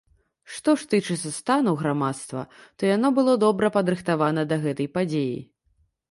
Што ж тычыцца стану грамадства, то яно было добра падрыхтавана да гэтай падзеі.